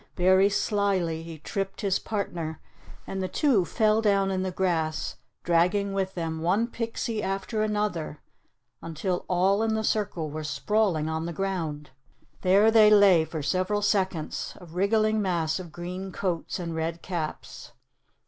Very slyly he tripped his partner, and the two fell down in the grass, dragging with them one pixie after another until all in the circle were sprawling on the ground. There they lay for several seconds, a wriggling mass of green coats and red caps.